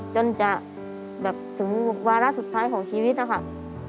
จนจะแบบถึงวาระสุดท้ายของชีวิตนะคะ